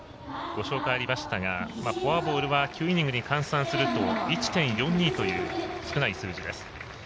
ご紹介ありましたがフォアボールは九イニングに換算すると１．４２と少ない数字です。